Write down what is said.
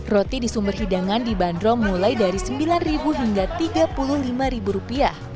roti di sumber hidangan dibanderol mulai dari rp sembilan hingga rp tiga puluh lima